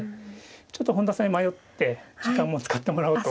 ちょっと本田さんに迷って時間を使ってもらおうと。